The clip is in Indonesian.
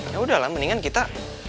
ya udahlah mendingan kita